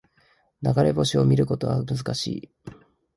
流れ星を見ることは難しい